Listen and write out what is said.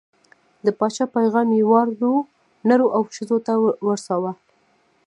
د پاچا پیغام یې واړو، نرو او ښځو ته ورساوه.